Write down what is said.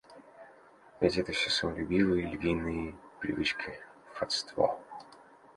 Ведь это все самолюбивые, львиные привычки, фатство.